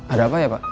ada apa ya pak